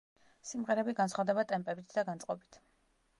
სიმღერები განსხვავდება ტემპებით და განწყობით.